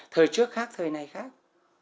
thời trước khác thời nay khác